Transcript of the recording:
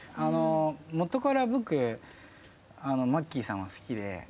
元から僕マッキーさんを好きで。